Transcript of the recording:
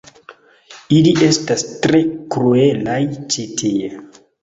Ili estas tre kruelaj ĉi tie